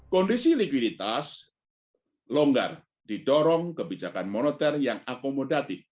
kondisi likuiditas longgar didorong kebijakan moneter yang akomodatif